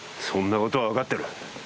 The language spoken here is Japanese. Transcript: そんなことは分かってる。